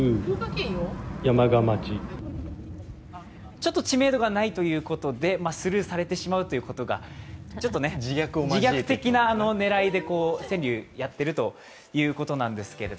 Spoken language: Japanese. ちょっと知名度がないということでスルーされてしまうということがちょっと自虐的な狙いで川柳をやっているということなんですけど。